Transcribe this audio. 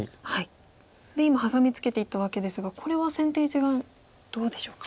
で今ハサミツケていったわけですがこれは先手一眼どうでしょうか。